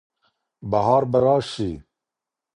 بهار به راشي.